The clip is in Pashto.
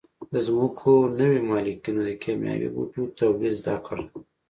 د ځمکو نویو مالکینو د کیمیاوي بوټو تولید زده کړ.